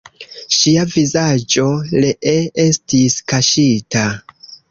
Ŝia vizaĝo ree estis kaŝita.